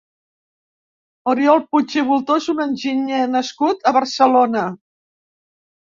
Oriol Puig i Bultó és un enginyer nascut a Barcelona.